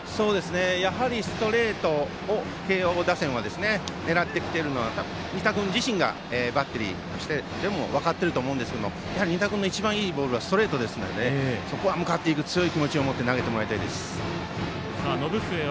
やはりストレートを慶応打線は狙ってきているのはバッテリーとしても分かっていると思いますが仁田君の一番いいボールはストレートですのでそこは向かっていく強い気持ちで投げてもらいたいです。